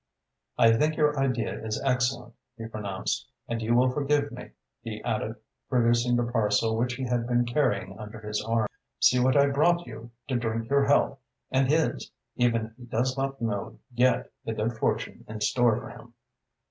"I think your idea is excellent," he pronounced. "And you will forgive me," he added, producing the parcel which he had been carrying under his arm. "See what I have brought to drink your health and his, even if he does not know yet the good fortune in store for him."